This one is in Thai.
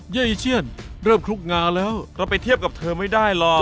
เย้อีเชียนเริ่มคลุกงาแล้วก็ไปเทียบกับเธอไม่ได้หรอก